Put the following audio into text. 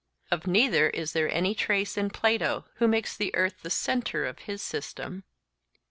Of neither is there any trace in Plato, who makes the earth the centre of his system.